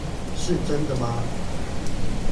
是真的嗎？